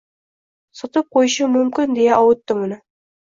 Sotib qo’yishim mumkin deya ovutdim uni.